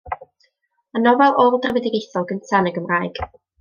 Y nofel ôl-drefedigaethol gynta' yn y Gymraeg.